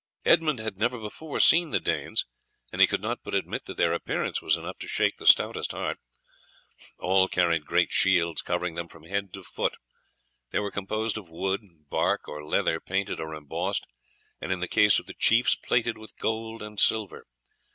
Edmund had never before seen the Danes, and he could not but admit that their appearance was enough to shake the stoutest heart. All carried great shields covering them from head to foot. These were composed of wood, bark, or leather painted or embossed, and in the cases of the chiefs plated with gold and silver.